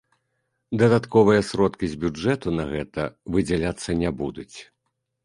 Дадатковыя сродкі з бюджэту на гэта выдзяляцца не будуць.